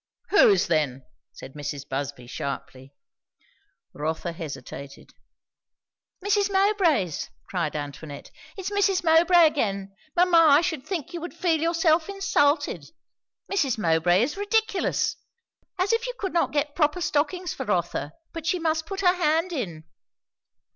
"Whose then?" said Mrs. Busby sharply. Rotha hesitated. "Mrs. Mowbray's!" cried Antoinette. "It is Mrs. Mowbray again! Mamma, I should think you would feel yourself insulted. Mrs. Mowbray is ridiculous! As if you could not get proper stockings for Rotha, but she must put her hand in."